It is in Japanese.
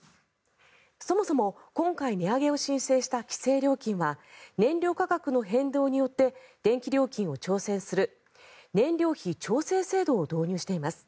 そもそも今回、値上げを申請した規制料金は燃料価格の変動によって電気料金を調整する燃料費調整制度を導入しています。